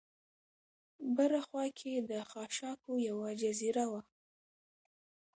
بره خوا کې د خاشاکو یوه جزیره وه.